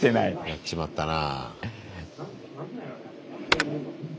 やっちまったな。